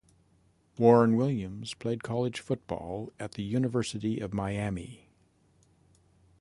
Warren Williams played college football at the University of Miami.